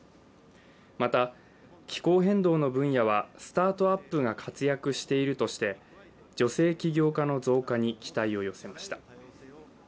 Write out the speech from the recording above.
また、気候変動の分野はスタートアップが活躍しているとして女性起業家の増加に期待を寄せました。